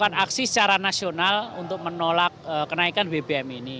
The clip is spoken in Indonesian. melakukan aksi secara nasional untuk menolak kenaikan bbm ini